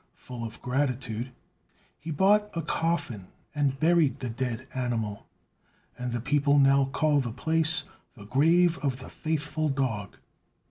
Full of gratitude, he bought a coffin and buried the dead animal; and the people now call the place the Grave of the Faithful Dog.